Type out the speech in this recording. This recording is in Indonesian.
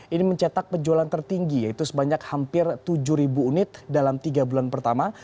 ini mencetak penjualan tertinggi yaitu sebanyak hampir tujuh unit dalam tiga bulan pertama